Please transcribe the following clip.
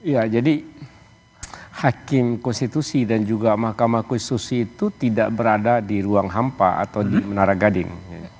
ya jadi hakim konstitusi dan juga mahkamah konstitusi itu tidak berada di ruang hampa atau di menara gading